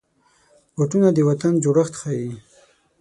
بوټونه د وطن جوړښت ښيي.